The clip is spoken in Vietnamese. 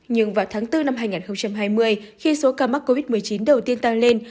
nhưng vào tháng bốn năm hai nghìn hai mươi khi số ca mắc covid một mươi chín đầu tiên tăng lên